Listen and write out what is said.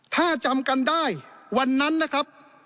ถ้าจำกันได้วันนั้นนะครับ